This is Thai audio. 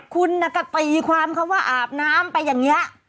คุณก็ตีความเขาว่าอาบน้ำไปอย่างนี้